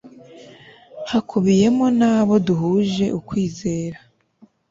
hakubiyemo n'abo duhuje ukwizera